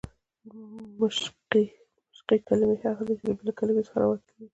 مشقي کلیمې هغه دي، چي د بلي کلیمې څخه راوتلي يي.